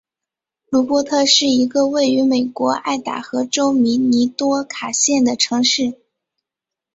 鲁珀特是一个位于美国爱达荷州米尼多卡县的城市。